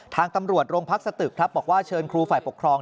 ทางตำรวจโรงพักสตึกครับบอกว่าเชิญครูฝ่ายปกครอง